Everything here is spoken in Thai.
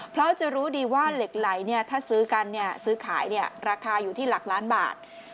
เพราะจะรู้ดีว่าเหล็กไหลถ้าซื้อกันซื้อขายราคาอยู่ที่หลักล้านบาท